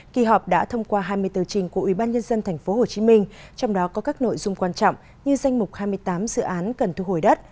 kỳ họp đã thông qua hai mươi tờ trình của ubnd tp hcm trong đó có các nội dung quan trọng như danh mục hai mươi tám dự án cần thu hồi đất